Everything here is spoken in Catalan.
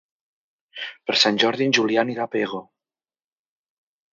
Per Sant Jordi en Julià anirà a Pego.